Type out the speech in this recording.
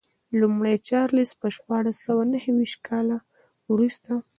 لومړی چارلېز په شپاړس سوه نهویشت کال وروسته.